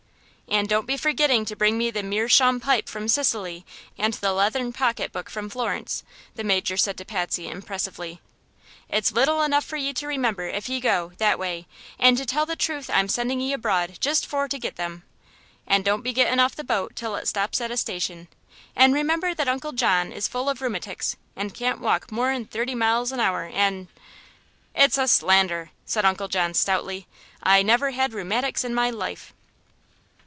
"An' don't be forgetting to bring me the meerschaum pipe from Sicily an' the leathern pocket book from Florence," the Major said to Patsy, impressively. "It's little enough for ye to remember if ye go that way, an' to tell the truth I'm sending ye abroad just for to get them. An' don't be gettin' off the boat till it stops at a station; an' remember that Uncle John is full of rheumatics an' can't walk more n' thirty mile an hour, an' " "It's a slander," said Uncle John, stoutly. "I never had rheumatics in my life."